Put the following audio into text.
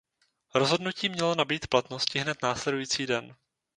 Rozhodnutí mělo nabýt platnosti hned následující den.